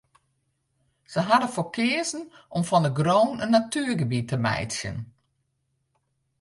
Sy hawwe der foar keazen om fan de grûn in natuergebiet te meitsjen.